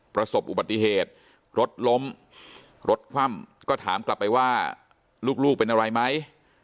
ประสบอุบัติเหตุรถล้มรถคว่ำก็ถามกลับไปว่าลูกเป็นอะไรไหม